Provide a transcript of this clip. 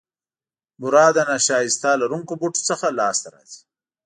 بوره د نیشاسته لرونکو بوټو څخه لاسته راځي.